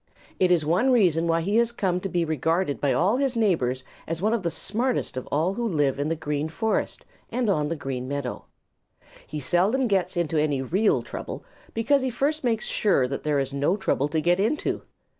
It is one reason why he has come to be regarded by all his neighbors as one of the smartest of all who live in the Green Forest and on the Green Meadow. He seldom gets into any real trouble because he first makes sure there is no trouble to get into.